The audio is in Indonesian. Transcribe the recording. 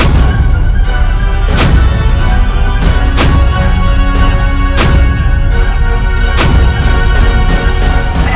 ingin merobek robek jantung anak itu